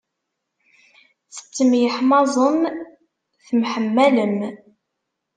Tettemyeḥmaẓem temḥemmalem.